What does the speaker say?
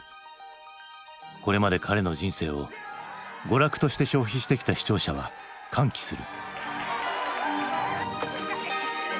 これまで彼の人生を娯楽として消費してきた視聴者は歓喜する。